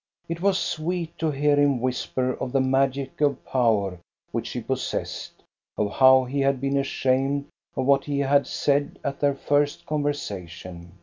It was sweet to hear him whisper of the magical power which she possessed, of how he had been ashamed of what he had said at their first conversation.